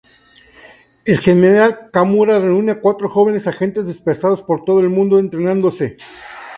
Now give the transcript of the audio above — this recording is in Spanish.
El general Kurama reúne a cuatro jóvenes agentes dispersados por todo el mundo entrenándose.